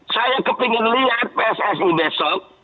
saya kepingin lihat pssi besok